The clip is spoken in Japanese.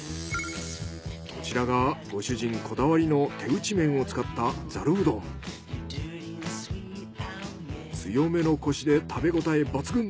こちらがご主人こだわりの手打ち麺を使った強めのコシで食べごたえ抜群。